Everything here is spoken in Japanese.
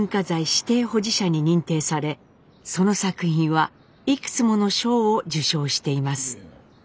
指定保持者に認定されその作品はいくつもの賞を受賞しています。